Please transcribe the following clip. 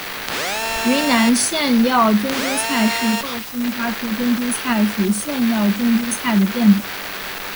云贵腺药珍珠菜是报春花科珍珠菜属腺药珍珠菜的变种。